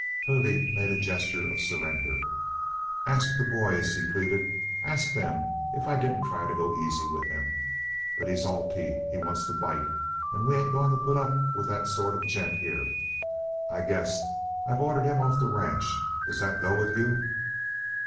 Hervey made a gesture of surrender. "Ask the boys," he pleaded. "Ask them if I didn't try to go easy with him. But he's all teeth. He wants to bite. And we ain't going to put up with that sort of a gent here, I guess! I've ordered him off the ranch. Does that go with you?"